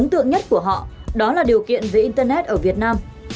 tượng nhất của họ đó là điều kiện về internet ở việt nam